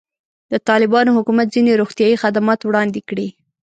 د طالبانو حکومت ځینې روغتیایي خدمات وړاندې کړي.